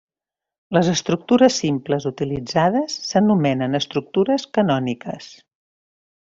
Les estructures simples utilitzades s'anomenen estructures canòniques.